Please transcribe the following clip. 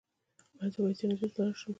ایا زه باید جنازې ته لاړ شم؟